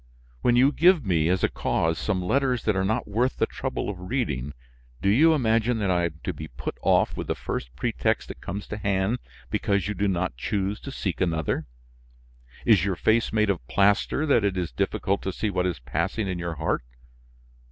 When you give me, as a cause, some letters that are not worth the trouble of reading, do you imagine that I am to be put off with the first pretext that comes to hand because you do not choose to seek another? Is your face made of plaster that it is difficult to see what is passing in your heart?